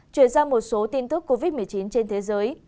chuyển sang một số tin tức covid một mươi chín trên thế giới